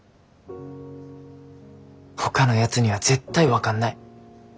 ほかのやつには絶対分かんない。